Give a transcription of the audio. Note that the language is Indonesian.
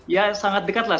ya sangat dekat lah